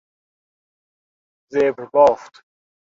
زبر بافت